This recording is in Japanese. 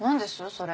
それ。